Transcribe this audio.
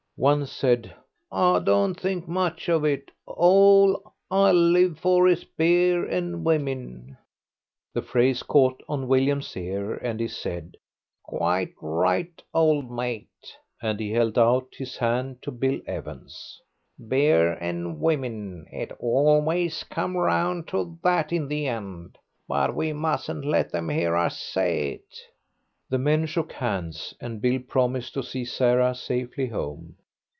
One said, "I don't think much of it; all I live for is beer and women." The phrase caught on William's ear, and he said, "Quite right, old mate," and he held out his hand to Bill Evans. "Beer and women, it always comes round to that in the end, but we mustn't let them hear us say it." The men shook hands, and Bill promised to see Sarah safely home.